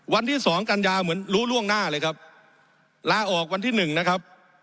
วันที่๒กยเหมือนรู้ร่วงหน้าเลยครับลาออกวันที่๑นะครับ